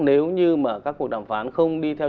nếu như mà các cuộc đàm phán không đi theo